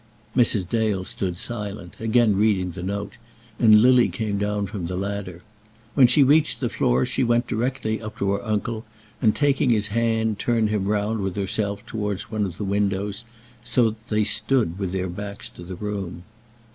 Mrs. Dale stood silent, again reading the note, and Lily came down from the ladder. When she reached the floor she went directly up to her uncle, and taking his hand turned him round with herself towards one of the windows, so that they stood with their backs to the room.